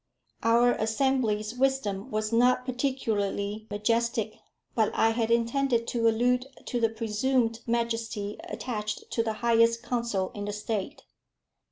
Our Assembly's wisdom was not particularly majestic; but I had intended to allude to the presumed majesty attached to the highest council in the State.